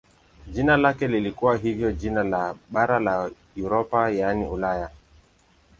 Jina lake lilikuwa hivyo jina la bara la Europa yaani Ulaya.